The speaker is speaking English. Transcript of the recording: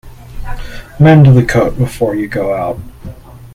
Mend the coat before you go out.